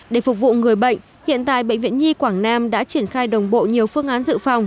để phục vụ người bệnh hiện tại bệnh viện nhi quảng nam đã triển khai đồng bộ nhiều phương án dự phòng